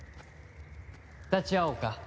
立ち会おうか？